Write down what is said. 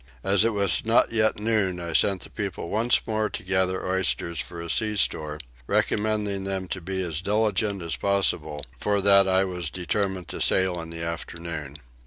As it was not yet noon I sent the people once more to gather oysters for a sea store, recommending to them to be as diligent as possible for that I was determined to sail in the afternoon.